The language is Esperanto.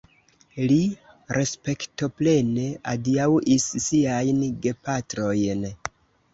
Li respektoplene adiaŭis siajn gepatrojn.